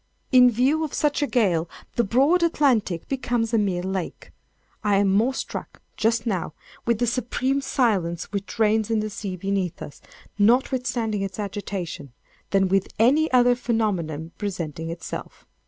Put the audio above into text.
In view of such a gale the broad Atlantic becomes a mere lake. I am more struck, just now, with the supreme silence which reigns in the sea beneath us, notwithstanding its agitation, than with any other phenomenon presenting itself.